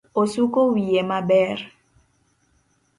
Osuko wiye maber